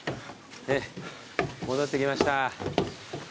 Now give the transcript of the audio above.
戻ってきました。